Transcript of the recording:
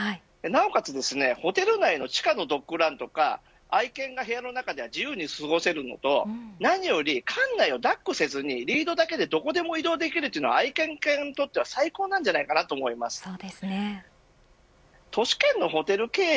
なおかつホテル内の地下のドッグランとか愛犬が部屋の中で自由に過ごせるのと何より館内をだっこせずにリードだけでどこでも移動できるというのは愛犬家にとっては最高だと思います。